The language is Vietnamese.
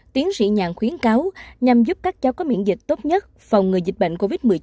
tiến sĩ nhàn khuyến cáo nhằm giúp các cháu có miễn dịch tốt nhất phòng ngừa dịch bệnh covid một mươi chín